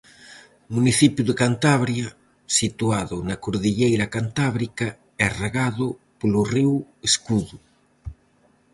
Municipio de Cantabria, situado na cordilleira Cantábrica e regado polo río Escudo.